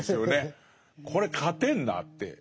これ勝てるなって。